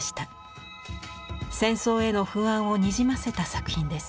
戦争への不安をにじませた作品です。